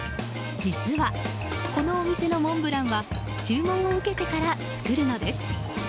実はこのお店のモンブランは注文を受けてから作るのです。